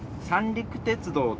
三陸鉄道？